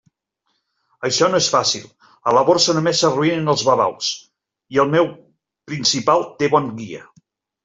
Això no és fàcil; a la Borsa només s'arruïnen els babaus, i el meu principal té bon guia.